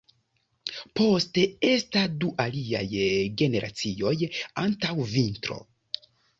Poste esta du aliaj generacioj antaŭ vintro.